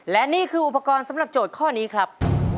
และนี่คืออุปกรณ์สำหรับโจทย์ข้อนี้ครับ